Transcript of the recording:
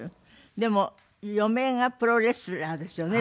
でも嫁がプロレスラーですよね